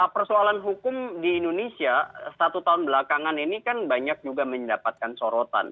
persoalan hukum di indonesia satu tahun belakangan ini kan banyak juga mendapatkan sorotan